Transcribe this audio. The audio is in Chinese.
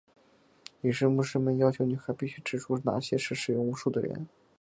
于是牧师们要求女孩必须指出哪些是使用巫术的人。